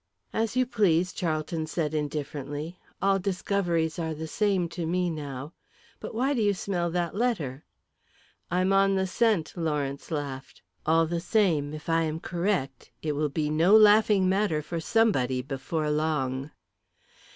"As you please," Charlton said, indifferently. "All discoveries are the same to me now. But why do you smell that letter?" "I'm on the scent," Lawrence laughed. "All the same, if I am correct it will be no laughing matter for somebody before long."